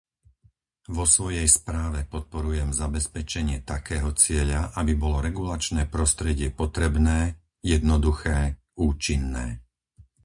Vo svojej správe podporujem zabezpečenie takého cieľa, aby bolo regulačné prostredie potrebné, jednoduché, účinné.